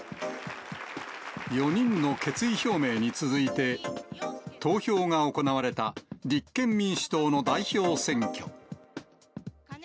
４人の決意表明に続いて、投票が行われた立憲民主党の代表選挙。